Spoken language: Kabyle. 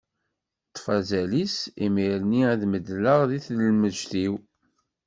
Ṭṭef azal-is, imir-nni ad meḍleɣ deg-s lmegget-iw.